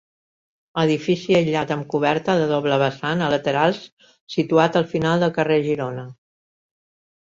Edifici aïllat amb coberta de doble vessant a laterals situat al final del carrer Girona.